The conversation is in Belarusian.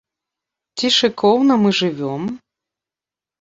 Ці шыкоўна мы жывём?